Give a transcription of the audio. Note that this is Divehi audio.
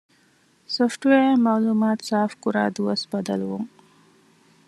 ސޮފްޓްވެއާއަށް މައުޅުމާތު ސާފުކުރާ ދުވަސް ބަދަލުވުން